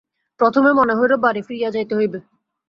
প্রথমে মনে হইল, বাড়ি ফিরিয়া যাইতে হইবে।